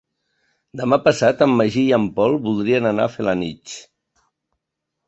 Demà passat en Magí i en Pol voldrien anar a Felanitx.